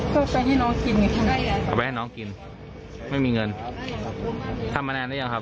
ก็ไปให้น้องกินเอาไปให้น้องกินไม่มีเงินทำมานานแล้วยังครับ